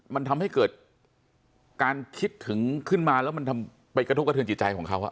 มันทำให้เกิดการคิดถึงขึ้นมาแล้วมันไปกระทบกระเทือนจิตใจของเขา